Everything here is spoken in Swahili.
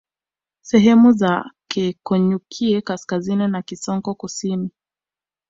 Sehemu za Keekonyukie kaskazini na Kisonko kusini